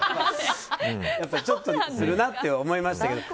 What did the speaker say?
ちょっとするなって思いましたけど。